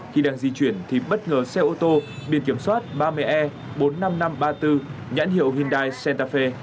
khi đang di chuyển thì bất ngờ xe ô tô biển kiểm soát ba mươi e bốn mươi năm nghìn năm trăm ba mươi bốn nhãn hiệu hyundai centafe